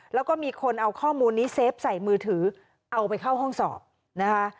แล้วก็มีคนเอาข้อมูลนี้เซฟใส่มือถือเอาไปเข้าห้องสอบนะคะ